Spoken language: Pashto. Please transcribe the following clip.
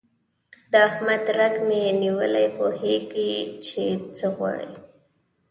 د احمد رګ مې نیولی، پوهېږ چې څه غواړي.